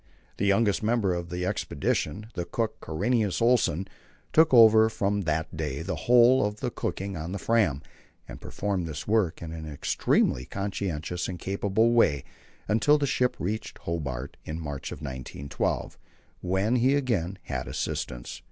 The youngest member of the expedition the cook Karinius Olsen took over from that day the whole of the cooking on the Fram, and performed this work in an extremely conscientious and capable way until the ship reached Hobart in March, 1912, when he again had assistance.